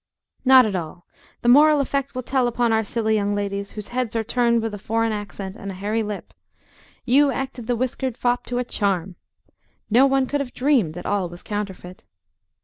"Not at all. The moral effect will tell upon our silly young ladies, whose heads are turned with a foreign accent and a hairy lip. You acted the whiskered fop to a charm. No one could have dreamed that all was counterfeit."